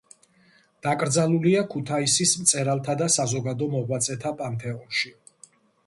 დაკრძალულია ქუთაისის მწერალთა და საზოგადო მოღვაწეთა პანთეონში.